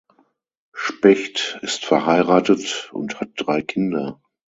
Specht ist verheiratet und hat drei Kinder.